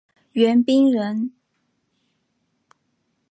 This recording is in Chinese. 袁彬人。